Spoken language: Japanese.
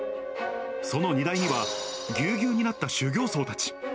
その荷台には、ぎゅうぎゅうになった修行僧たち。